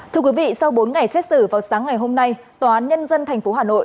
thưa quý vị sau bốn ngày xét xử vào sáng ngày hôm nay tòa án nhân dân tp hà nội